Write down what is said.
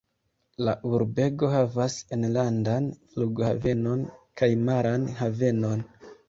La urbego havas enlandan flughavenon kaj maran havenon.